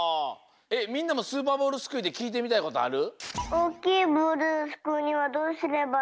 みんなもスーパーボールすくいできいてみたいことある？